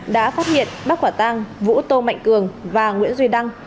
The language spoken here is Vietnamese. đã phát hiện bác quả tăng vũ tô mạnh cường và nguyễn duy đăng